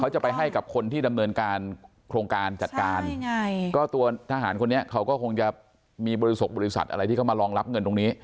จะไปให้กับคนที่ดำเนินการโครงการจัดการยังไงก็ตัวทหารคนนี้เขาก็คงจะมีบริษัทบริษัทอะไรที่เขามารองรับเงินตรงนี้